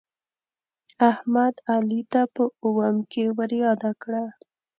احمد، علي ته په اوم کې ورياده کړه.